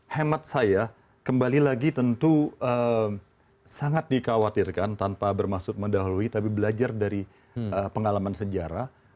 hemat saya kembali lagi tentu sangat dikhawatirkan tanpa bermaksud mendahului tapi belajar dari pengalaman sejarah